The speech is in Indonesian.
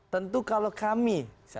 tentu kalau kami